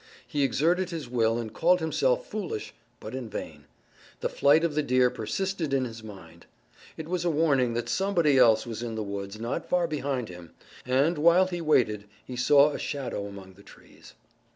He exerted his will and called himself foolish, but in vain. The flight of the deer persisted in his mind. It was a warning that somebody else was in the woods not far behind him, and, while he waited, he saw a shadow among the trees.